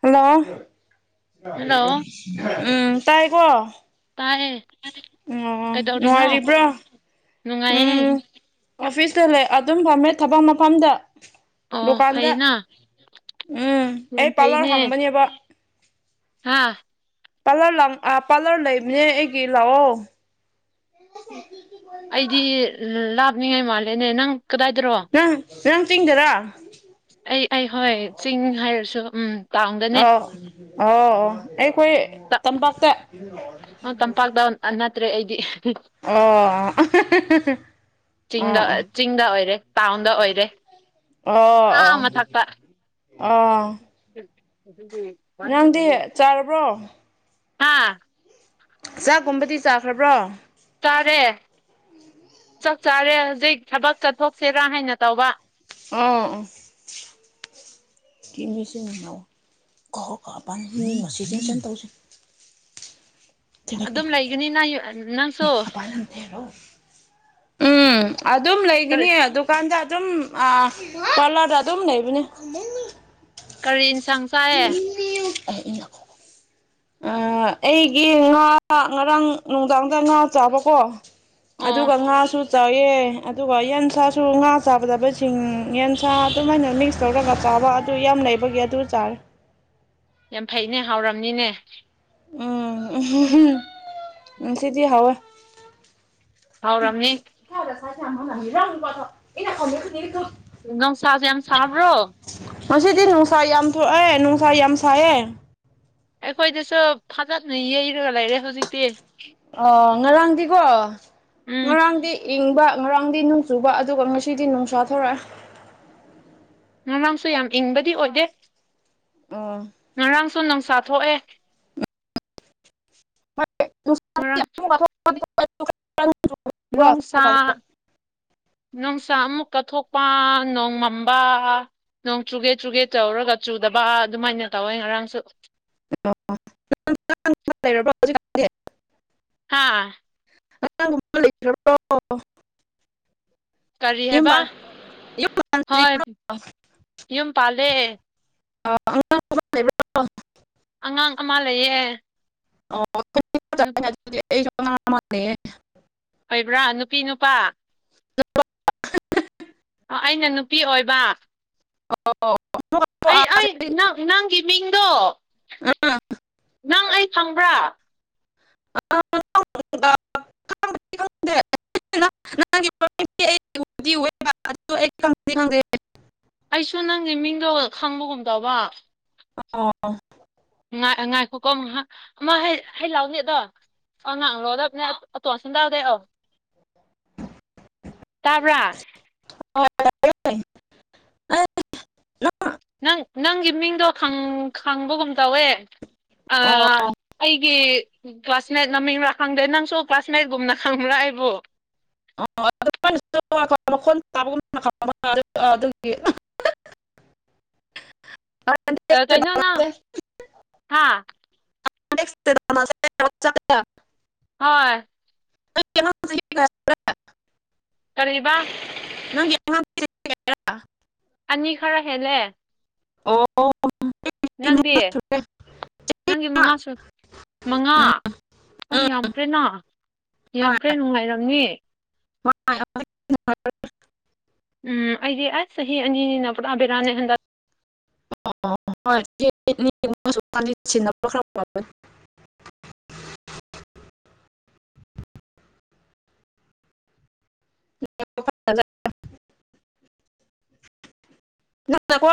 hello hello ꯎꯝ ꯇꯥꯏ ꯀꯣ ꯇꯥꯏꯌꯦ ꯎ ꯀꯩꯗꯧꯔꯤꯅꯣ ꯉꯔꯤꯕ꯭ꯔꯣ ꯅꯨꯡꯉꯥꯏꯌꯦ ꯎꯝ ꯑꯣꯐꯤꯁꯇ ꯂꯩ ꯑꯗꯨꯝ ꯐꯝꯃꯦ ꯊꯕꯛ ꯃꯐꯝꯗ ꯑꯣ ꯗꯨꯀꯥꯟꯗ ꯐꯩꯅ ꯎꯝ ꯑꯩ ꯌꯥꯝ ꯄꯥꯔꯂꯔ ꯍꯥꯡꯕꯅꯦꯕ ꯍꯥꯥ ꯄꯥꯔꯂꯔ ꯂ ꯄꯥꯔꯂꯔ ꯂꯩꯕꯅꯦ ꯑꯩꯒꯤ ꯂꯥꯛꯑꯣ ꯑꯩꯗꯤ ꯂꯥꯞꯅꯤꯡꯉꯥꯏ ꯃꯥꯜꯂꯦꯅꯦ ꯅꯪ ꯀꯗꯥꯏꯗꯔꯣ ꯅꯥꯡ ꯇꯤꯡꯗꯔꯥ ꯑꯩ ꯑꯩ ꯍꯣꯏ ꯆꯤꯡ ꯍꯥꯏꯔꯁꯨ ꯎꯝ ꯇꯥꯎꯟꯗꯅꯦ ꯑꯣ ꯑꯣ ꯑꯣ ꯑꯩꯈꯣꯏ ꯇꯝꯄꯥꯛꯇ ꯇꯝꯄꯥꯛꯇ ꯅꯠꯇ꯭ꯔꯦ ꯑꯩꯗꯤ ꯑꯣ ꯆꯤꯡꯗ ꯑꯥ ꯆꯤꯡꯗ ꯑꯣꯏꯔꯦ ꯇꯥꯎꯟꯗ ꯑꯣꯏꯔꯦ ꯑꯥ ꯑꯣ ꯃꯊꯛꯇ ꯑ ꯅꯪꯗꯤ ꯆꯥꯔꯕ꯭ꯔꯣ ꯑ ꯆꯥꯛꯒꯨꯝꯕꯗꯤ ꯆꯥꯈ꯭ꯔꯕ꯭ꯔꯣ ꯇꯔꯦ ꯊꯛ ꯆꯥꯔꯦ ꯍꯧꯖꯤꯛ ꯊꯕꯛ ꯆꯠꯊꯣꯛꯁꯤꯦꯔꯥ ꯍꯥꯏꯅ ꯇꯧꯕ ꯑꯣ ꯀ ꯃꯤꯁꯤꯡꯅꯥꯧ ꯀꯛ ꯀꯛ ꯄ ꯃꯤ ꯉꯁꯤ ꯆꯪꯁꯟ ꯇꯧꯁꯤ ꯑꯗꯨꯝ ꯂꯩꯒꯅꯤꯅꯪ ꯅꯪꯁꯨ ꯎꯝ ꯑꯗꯨꯝ ꯀꯔꯤ ꯂꯩꯒꯅꯤ ꯑꯗꯨꯀꯥꯟꯗ ꯑꯗꯨꯝ ꯄꯥꯔꯂꯥꯗ ꯑꯗꯨꯝ ꯂꯩꯕꯅꯦ ꯀꯔꯤ ꯏꯟꯁꯥꯡ ꯆꯥꯏ ꯑ ꯏꯩꯅ ꯑ ꯑꯩꯒꯤ ꯉꯥ ꯉꯔꯥꯡ ꯅꯨꯡꯗꯥꯡꯗꯥꯏ ꯉꯥ ꯆꯥꯕꯀꯣ ꯑꯗꯨ ꯑꯗꯨ ꯑꯣ ꯀꯉꯁꯨ ꯆꯥꯎꯑꯦ ꯑꯗꯨꯒ ꯌꯦꯟꯁꯥꯁꯨ ꯉꯥ ꯆꯥꯒꯗꯕꯁꯤꯡ ꯌꯦꯟꯁꯥ ꯑꯗꯨꯃꯥꯏꯅ ꯃꯤꯛꯁ ꯇꯧꯔꯒ ꯐꯥꯕ ꯑꯗꯨ ꯌꯥꯝ ꯂꯩꯕꯒꯤ ꯑꯗꯨ ꯆꯥꯔ [inaudible] ꯐꯩꯅꯦ ꯍꯥꯎꯔꯝꯅꯤꯅꯦ ꯎꯝ ꯎ ꯁꯤꯗꯤꯤ ꯍꯋꯦ ꯍꯥꯎ ꯔꯝꯅꯤ ꯁꯥꯏ ꯃꯅ ꯍꯤꯂꯥꯧꯅ ꯄꯔ ꯑꯩꯅ ꯈꯁꯨ ꯅꯨꯡꯁꯥꯁꯦ ꯌꯥꯝ ꯁꯥꯕ꯭ꯔꯣ ꯉꯁꯤꯗꯤ ꯅꯨꯡꯁꯥ ꯌꯥꯝ ꯊꯣꯛꯑꯦ ꯅꯨꯡꯁꯥ ꯌꯥꯝ ꯁꯥꯏꯌꯦꯦ ꯑꯩꯈꯣꯏꯗꯁꯨ ꯐꯖꯅ ꯌꯩꯔꯒ ꯂꯩꯔꯦ ꯍꯧꯖꯤꯛꯇꯤ ꯑꯣ ꯉꯔꯥꯡꯗꯤꯀꯣ ꯎꯝ ꯉꯔꯥꯡꯗꯤ ꯏꯪꯕ ꯉꯔꯥꯡꯗꯤ ꯅꯣꯡ ꯆꯨꯕ ꯑꯗꯨꯒ ꯉꯁꯤꯗꯤ ꯅꯨꯡꯁꯥ ꯊꯣꯔꯛꯑꯦ ꯃꯔꯥꯡꯁꯨ ꯌꯥꯝ ꯏꯪꯕꯗꯤ ꯑꯣꯏꯗꯦ ꯎꯝ ꯉꯔꯥꯡꯁꯨ ꯅꯨꯡꯁꯥ ꯊꯣꯛꯑꯦ ꯑ [inaudible] ꯈꯔ ꯅꯨꯡꯁꯥ ꯐꯕ ꯅꯨꯡꯁꯥ ꯑꯃꯨꯛ ꯀꯠꯊꯣꯛꯄ ꯑꯅ ꯎ ꯃꯝꯕ ꯅꯣꯡ ꯆꯨꯒꯦ ꯆꯨꯒꯦ ꯇꯧꯔꯒ ꯆꯨꯗꯕ ꯑꯗꯨꯃꯥꯏꯅ ꯇꯧꯋꯦ ꯉꯔꯥꯡꯁꯨ ꯑꯣ ꯂꯩꯔꯕꯣ ꯍꯧꯖꯤꯛ ꯍꯥꯥ ꯑꯉꯥꯡꯒꯨꯝ ꯂꯩꯇ꯭ꯔꯕ꯭ꯔꯣ ꯀꯔꯤꯍꯦꯕ ꯌꯨꯝ ꯍꯣꯏ ꯄꯥꯟꯗ꯭ꯔꯤꯕ꯭ꯔꯣ ꯌꯨꯝ ꯄꯂꯦ ꯑ ꯑꯥꯡ ꯂꯩꯕ꯭ꯔꯣꯣ ꯑꯉꯥꯡ ꯑꯃ ꯂꯩꯌꯦ ꯑꯗꯨ ꯃꯥꯅꯦꯦ ꯑꯣꯏꯕ꯭ꯔꯥ ꯅꯨꯄꯤ ꯅꯨꯄꯥ [inaudible] ꯑꯩꯅ ꯅꯨꯄꯤ ꯑꯣꯏꯕ ꯑ ꯑꯩ ꯑꯩꯪ ꯅꯪꯒꯤ ꯃꯤꯡꯗꯣ ꯑꯥ, ꯅꯪ ꯑꯩ ꯐꯪꯕ꯭ꯔꯥ ꯑ [inaudible] ꯪ ꯑꯩꯁꯨ ꯅꯪꯒꯤ ꯃꯤꯡꯗꯣ ꯈꯪꯕꯒꯨꯝ ꯇꯧꯕ ꯑ ꯉꯥꯏ ꯉꯥꯏꯈꯣꯀꯣ ꯑꯃ ꯍꯩ ꯂꯥꯎꯅꯦ ꯑꯗꯣ ꯑ ꯉꯥꯡ ꯂꯧꯗꯕꯅꯦ ꯑꯣꯇꯣꯁꯤꯟ ꯇꯎꯗꯦ ꯑꯣꯧ ꯇꯥꯕ꯭ꯔꯥ ꯍ ꯅꯪ ꯅꯪꯒꯤ ꯃꯤꯡꯗꯣ ꯈꯪꯕꯒꯨꯝ ꯇꯧꯋꯦ ꯑꯣ ꯑꯩꯒꯤ ꯀ꯭ꯂꯥꯁꯃꯦꯠ ꯃꯃꯤꯡꯔꯥ ꯈꯪꯗꯦ ꯅꯪꯁꯨ ꯀ꯭ꯂꯥꯁꯃꯦꯠꯀꯨꯝꯅ ꯈꯪꯕ꯭ꯔꯥ ꯑꯩꯕꯣ [inaudible] ꯑ ꯑꯗꯨꯒꯤ ꯑ ꯅꯦꯛꯁꯇ ꯀꯩꯅꯩꯅꯣ ꯅ ꯍꯥꯥ ꯆ ꯍꯣꯏ ꯀꯩꯅꯣ ꯀꯕ [unintelligible] ꯑꯅꯤ ꯈꯔ ꯍꯦꯜꯂꯦ ꯑꯣ ꯅꯪꯗꯦ ꯃꯉꯥ ꯁꯨꯔꯦ ꯅꯪꯒꯤ ꯃꯉꯥꯁꯨ ꯃꯉꯥ ꯎꯝ ꯎꯝ ꯌꯥꯝꯈ꯭ꯔꯦꯅ ꯌꯥꯝ ꯍꯣꯏ ꯈꯔ ꯅꯨꯡꯉꯥꯏꯔꯝꯅꯤ [inaudible] ꯎꯝ ꯑꯩꯗꯤ ꯑꯁ ꯆꯍꯤ ꯑꯅꯤꯅꯤꯅ ꯄꯨꯔꯥ ꯕꯦꯔꯥꯅꯦ ꯍꯟꯗꯛ ꯑꯣ ꯍꯣꯏ ꯁꯤꯟꯅꯕ꯭ꯔ ꯈꯔ ꯑ [inaudible] ꯉ ꯅ ꯀꯣ